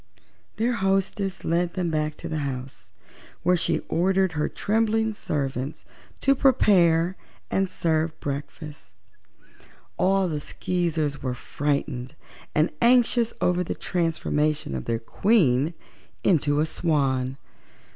Their hostess led them back to the house, where she ordered her trembling servants to prepare and serve breakfast. All the Skeezers were frightened and anxious over the transformation of their Queen into a swan.